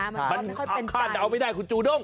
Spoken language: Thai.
มันค่อนข้างไม่ได้คุณจูนุ่ง